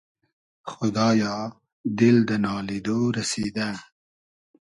خودایا دیل دۂ نالیدۉ رئسیدۂ